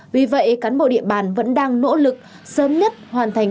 vì vậy cán bộ địa bàn vẫn đang nỗ lực sớm nhất hoàn thành